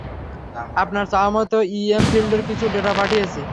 আপনার চাওয়ামতো ইএম ফিল্ডের কিছু ডেটা পাঠিয়েছি।